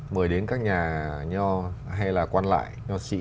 mời đến các nhà nho hay là quan lại nho sĩ